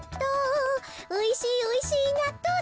おいしいおいしいなっとうだよ。